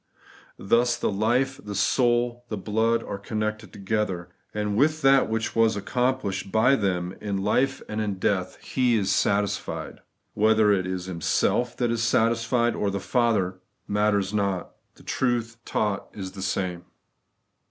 Thus the life, the soul, the blood, are connected together; and with that which was accomplished by them in life and in death He is satisfied. Whether it is Him self that is satisfied, or the Father, matters not. The truth taught is the same.